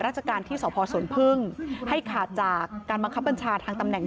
ราชการที่สพสวนพึ่งให้ขาดจากการบังคับบัญชาทางตำแหน่ง